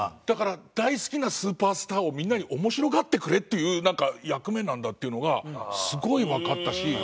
だから大好きなスーパースターをみんなに面白がってくれっていうなんか役目なんだっていうのがすごいわかったし。